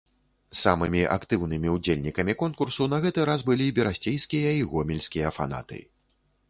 Самымі актыўнымі ўдзельнікамі конкурсу на гэты раз былі берасцейскія і гомельскія фанаты.